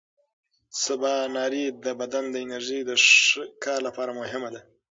سباناري د بدن د انرژۍ د ښه کار لپاره مهمه ده.